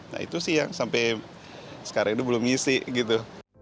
nah itu siang sampai sekarang itu belum ngisi gitu